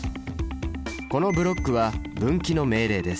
このブロックは分岐の命令です。